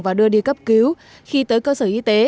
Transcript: và đưa đi cấp cứu khi tới cơ sở y tế